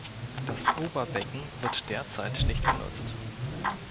Das Oberbecken wird derzeit nicht genutzt.